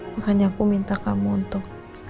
makanya aku minta kamu untuk